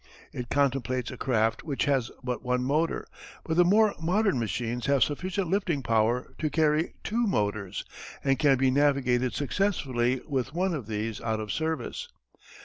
It contemplates a craft which has but one motor, but the more modern machines have sufficient lifting power to carry two motors, and can be navigated successfully with one of these out of service.